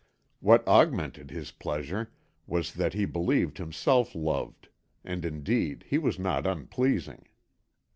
What augmented his pleasure was that he believed himself loved, and indeed he was not unpleasing.